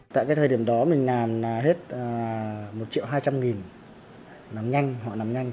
tại cái thời điểm đó mình làm hết một triệu hai trăm linh nắm nhanh họ nắm nhanh